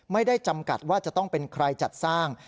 จำกัดว่าจะต้องเป็นใครจัดสร้าง